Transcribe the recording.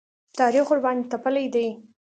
تاریخ ورباندې تپلی دی.